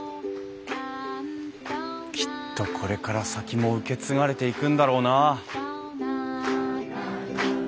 きっとこれから先も受け継がれていくんだろうなあ。